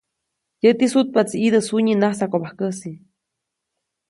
Yäti sutpaʼtsi ʼidä sunyi najsakobajkäsi.